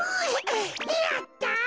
やった！